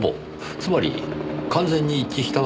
つまり完全に一致したわけではない？